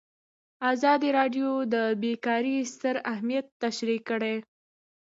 ازادي راډیو د بیکاري ستر اهميت تشریح کړی.